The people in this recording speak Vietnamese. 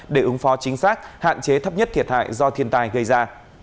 để ứng phó chính xác hạn chế thấp nhất thiệt hại do thiên tai gây ra